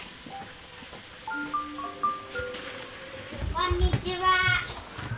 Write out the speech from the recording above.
こんにちは！